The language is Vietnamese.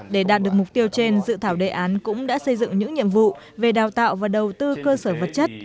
để đạt được mục tiêu trên dự thảo đề án cũng đã xây dựng những nhiệm vụ về đào tạo và đầu tư cơ sở vật chất